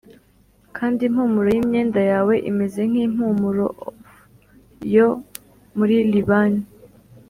Kandi impumuro y imyenda yawe imeze nk impumurof yo muri libani